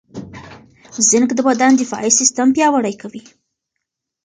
زېنک د بدن دفاعي سیستم پیاوړی کوي.